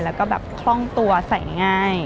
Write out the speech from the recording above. แล้วก็แบบคล่องตัวใส่ง่าย